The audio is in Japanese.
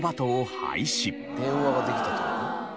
電話ができたって事？